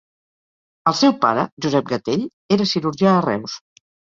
El seu pare, Josep Gatell, era cirurgià a Reus.